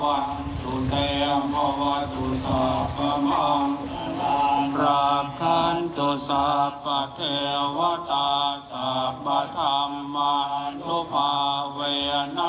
ยัทธาวาลิวาฮาภูราปริภูเรนติสาหรังเอวะเมวะอิตโตตินังเบตานังอุปกปะติ